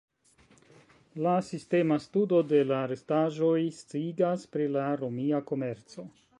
La sistema studo de la restaĵoj sciigas pri la romia komerco.